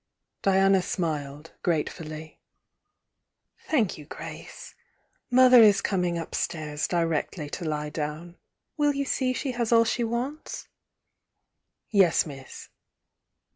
Diana smiled, gratefully. "Thank you, Grace. Mother is coming upstairs directly to lie down — will you see she has all she wants?" "Yes, miss."